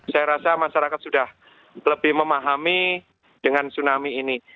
saya rasa masyarakat sudah lebih memahami dengan tsunami ini